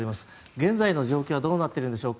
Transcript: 現在の状況はどうなっているんでしょうか。